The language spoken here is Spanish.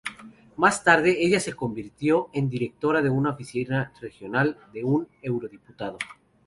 Más tarde, ella se convirtió en directora de una oficina regional de un eurodiputado.